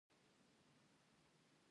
خپل کلتور ته په درنه سترګه وګورئ.